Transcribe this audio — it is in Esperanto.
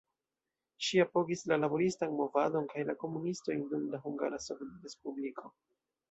Ŝi apogis la laboristan movadon kaj la komunistojn dum la Hungara Sovetrespubliko.